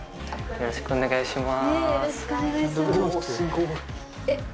よろしくお願いします